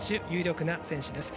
有力な選手です。